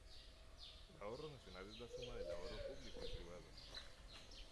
El ahorro nacional es la suma del ahorro público y el privado.